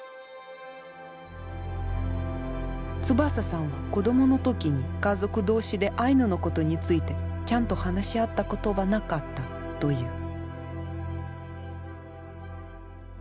翼さんは子どもの時に家族同士でアイヌのことについてちゃんと話し合ったことはなかったという。